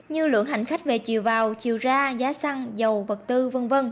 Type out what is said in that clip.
như lượng hành khách về chiều vào chiều ra giá xăng dầu vật tư v v